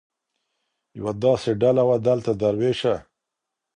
يوه داسي ډله وه دلته دروېشه !